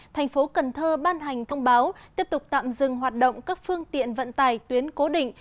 thành phố cần thơ ban hành thông báo tiếp tục tạm dừng hoạt động các phương tiện vận tải tuyến cố định